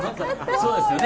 そうですよね。